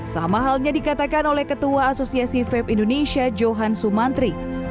sama halnya dikatakan oleh ketua asosiasi vape indonesia johan sumantri